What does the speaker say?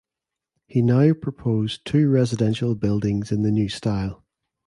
He now proposed two residential buildings in the new style.